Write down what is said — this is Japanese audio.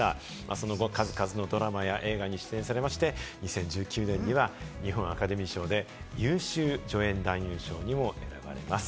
その後、数々のドラマや映画に出演されまして、２０１９年には日本アカデミー賞で優秀助演男優賞にも選ばれます。